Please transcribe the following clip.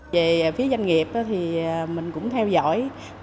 về phía doanh nghiệp thì mình cũng theo dõi